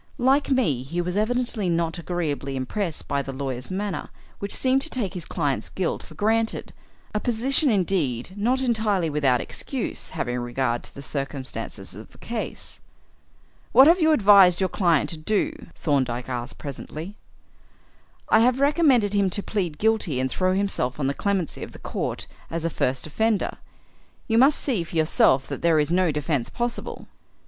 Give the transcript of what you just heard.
Like me, he was evidently not agreeably impressed by the lawyer's manner, which seemed to take his client's guilt for granted, a position indeed not entirely without excuse having regard to the circumstances of the case. "What have you advised your client to do?" Thorndyke asked presently. "I have recommended him to plead guilty and throw himself on the clemency of the court as a first offender. You must see for yourself that there is no defence possible."